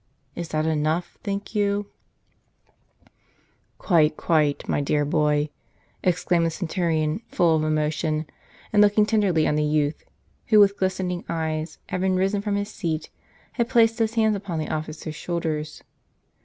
Is that enough, think you ?"" Quite, quite, my dear boy," exclaimed the centurion, full of emotion, and looking tenderly on the youth, who with glistening eyes, having risen from his seat, had placed his hands upon the officer's shouldei s.